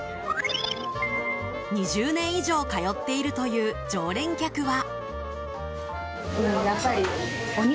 ２０年以上通っているという常連客は。